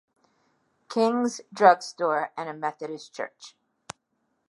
King's drug store, and a Methodist church.